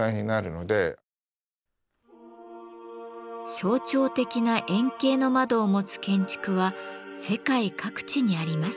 象徴的な円形の窓を持つ建築は世界各地にあります。